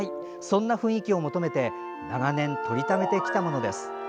そんな雰囲気を求めて長年、撮りためてきたものです。